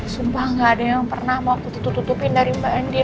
sumpah gak ada yang pernah mau aku tutup tutupin dari mbak andi